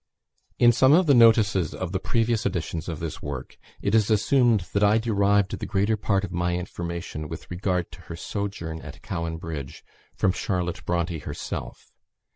In some of the notices of the previous editions of this work, it is assumed that I derived the greater part of my information with regard to her sojourn at Cowan Bridge from Charlotte Bronte herself.